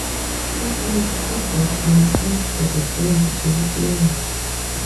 He plays keyboards and sings for the band Dayplayer.